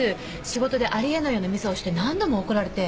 仕事であり得ないようなミスをして何度も怒られて。